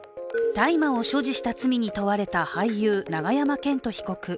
大麻を所持した罪に問われた俳優永山絢斗被告。